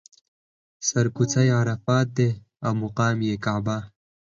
سر کوڅه یې عرفات دی او مقام یې کعبه.